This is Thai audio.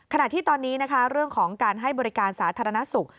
ที่ตอนนี้นะคะเรื่องของการให้บริการสาธารณสุข